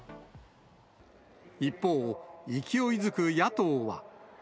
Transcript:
一方、勢いづく野党は。